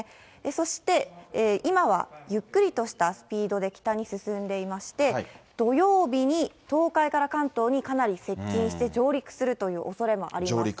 そして、今はゆっくりとしたスピードで北に進んでいまして、土曜日に東海から関東にかなり接近して、上陸するというおそれもあります。